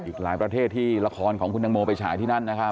อีกหลายประเทศที่ละครของคุณตังโมไปฉายที่นั่นนะครับ